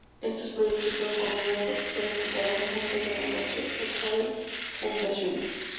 Estos proyectos fueron combinados por personas que trabajaban juntas en Apache Software Foundation.